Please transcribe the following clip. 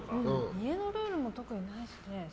家のルールも特になく。